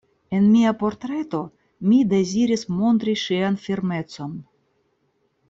En mia portreto mi deziris montri ŝian firmecon.